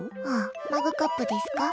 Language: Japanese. マグカップですか？